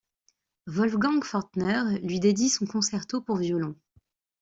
Wolfgang Fortner lui dédie son Concerto pour violon.